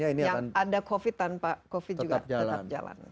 yang ada covid tanpa covid juga tetap jalan